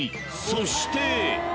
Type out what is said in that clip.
そして］